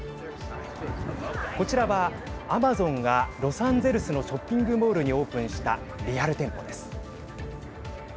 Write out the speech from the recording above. こちらは、アマゾンがロサンゼルスのショッピングモールにオープンしたリアル店舗です。